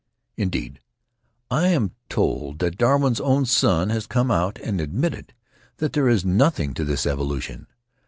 Indeed, I am told that Darwin's own son has come out and admitted that there is nothing to this evolution.